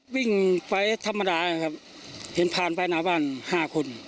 วิ่งไปธรรมดานะครับเห็นผ่านไปหน้าบ้าน๕คน